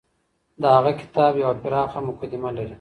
د هغه کتاب يوه پراخه مقدمه لري.